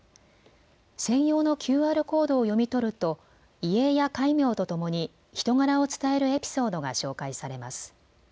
専用のＱＲコードを読み取ると遺影や戒名とともに人柄を伝えるエピソードが紹介されます。